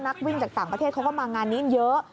นักวิ่งจากต่างประเทศเขาก็มางานนี้เยอะ